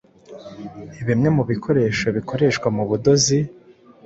Bimwe mu bikoresho bikoreshwa mu budozi